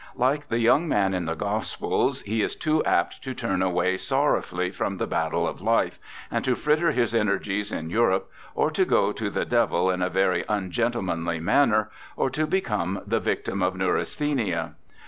Like the young man in the Gospels, he is too apt to turn away sorrowfully from the battle of life, and to fritter his energies in Europe, or to go to the devil in a very ungentlemanly manner, or to become the victim of neurasthenia.